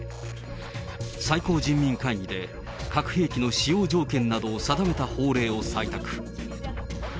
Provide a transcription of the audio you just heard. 最高人民会議で、核兵器の使用条件などを定めた法令を採択。